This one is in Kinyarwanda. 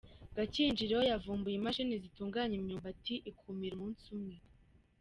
Gakinjiro Yavumbuye imashini zitunganya imyumbati ikumira umunsi umwe